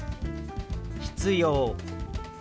「必要」。